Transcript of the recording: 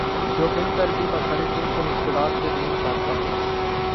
جو مل کر بھی پاکستانی ٹیم کو مشکلات سے نہیں نکال پاتے